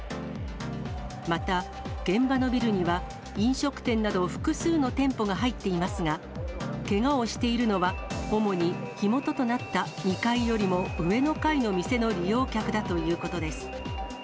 また、現場のビルには飲食店など複数の店舗が入っていますが、けがをしているのは、主に火元となった２階よりも上の階の店の利用客だということです。